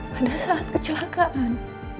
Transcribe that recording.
pada saat kecelakaan